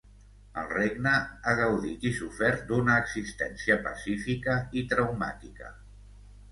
El regne ha gaudit i sofert d’una existència pacífica i traumàtica.